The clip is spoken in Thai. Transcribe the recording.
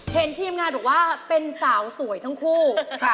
เห็นทีมงานหรือว่าเป็นสาวสวยทั้งคู่